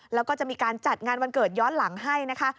แล้วก็จะมีการจัดงานวันเกิดย้อนหลังให้นะคะ